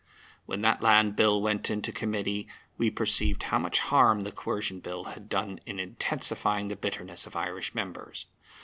When that Land Bill went into Committee we perceived how much harm the Coercion Bill had done in intensifying the bitterness of Irish members.